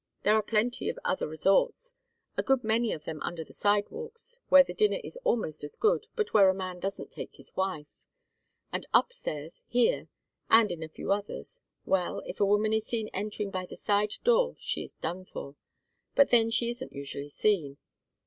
There are plenty of other resorts, a good many of them under the sidewalks, where the dinner is almost as good but where a man doesn't take his wife. And up stairs here and in a few others well, if a woman is seen entering by the side door she is done for. But then she isn't usually seen.